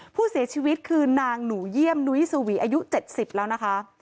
ผู้เสียชีวิตคือนางหนูเยี่ยมนุ้ยสวีอายุ๗๐แล้วนะคะ